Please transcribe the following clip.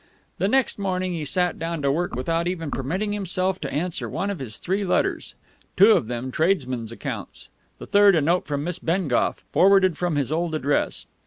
The next morning he sat down to work without even permitting himself to answer one of his three letters two of them tradesmen's accounts, the third a note from Miss Bengough, forwarded from his old address.